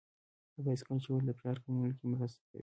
د بایسکل چلول د فشار کمولو کې مرسته کوي.